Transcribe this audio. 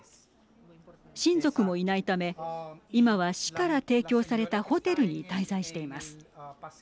親族もいないため今は市から提供されたホテルに滞在しています。